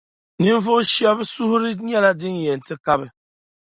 Ninvuɣu shɛba suhiri nyɛla din yɛn ti kabi.